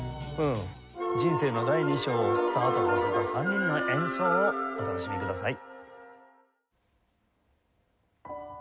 人生の第２章をスタートさせた３人の演奏をお楽しみください。